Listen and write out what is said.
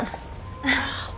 ああ。